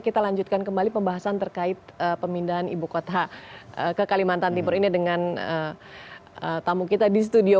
kita lanjutkan kembali pembahasan terkait pemindahan ibu kota ke kalimantan timur ini dengan tamu kita di studio